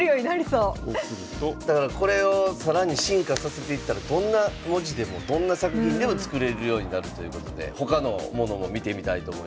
だからこれを更に進化させていったらどんな文字でもどんな作品でも作れるようになるということで他のものも見てみたいと思います。